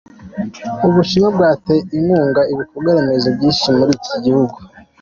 U Bushinwa bwateye inkunga ibikorwa remezo byinshi muri iki gihugu.